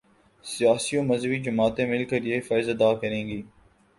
سیاسی و مذہبی جماعتیں مل کر یہ فرض ادا کریں گی۔